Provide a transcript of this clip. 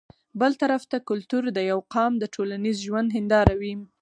بل طرف ته کلتور د يو قام د ټولنيز ژوند هنداره وي